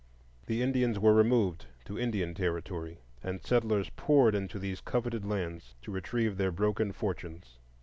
The Indians were removed to Indian Territory, and settlers poured into these coveted lands to retrieve their broken fortunes.